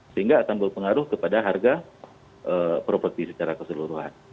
dan ini akan berpengaruh kepada harga properti secara keseluruhan